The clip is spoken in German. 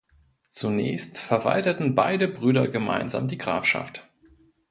Zunächst verwalteten beide Brüder gemeinsam die Grafschaft.